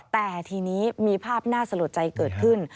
แต่ทีนี้มีภาพน่าสลดใจเกิดขึ้น